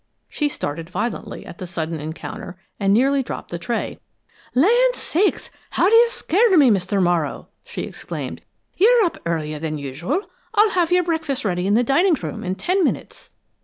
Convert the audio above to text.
She started violently at the sudden encounter and nearly dropped the tray. "Land sakes, how you scared me, Mr. Morrow!" she exclaimed. "You're up earlier than usual. I'll have your breakfast ready in the dining room in ten minutes."